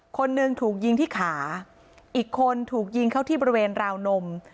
คนหนึ่งถูกยิงที่ขาอีกคนถูกยิงเข้าที่บริเวณราวนม